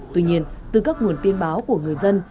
tuy nhiên từ các nguồn tin báo của người dân